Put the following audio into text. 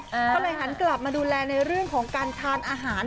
ก็เลยหันกลับมาดูแลในเรื่องของการทานอาหาร